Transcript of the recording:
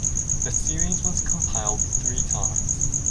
The series was compiled three times.